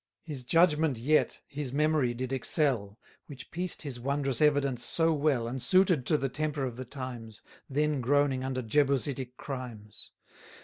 His judgment yet his memory did excel; 660 Which pieced his wondrous evidence so well, And suited to the temper of the times, Then groaning under Jebusitic crimes.